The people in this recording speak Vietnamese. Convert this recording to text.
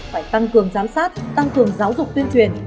phải tăng cường giám sát tăng cường giáo dục tuyên truyền